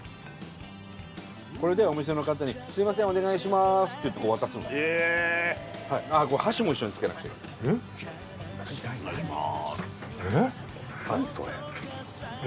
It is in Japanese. これでお店の方に「すいませんお願いします」って言ってこう渡すのへえ箸も一緒につけなくちゃいけないお願いしまーすええ？